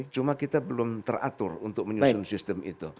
cuma kita belum teratur untuk menyusun sistem itu